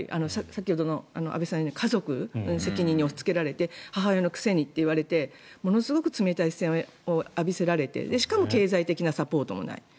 先ほど安部さんが言った家族に責任を押しつけられて母親のくせにと言われてものすごく冷たい視線を浴びせられてしかも経済的なサポートもない。